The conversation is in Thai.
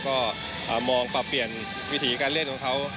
ก็มองปรับเปลี่ยนวิถีการเล่นของเขา